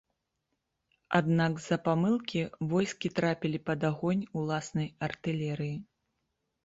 Аднак з-за памылкі войскі трапілі пад агонь уласнай артылерыі.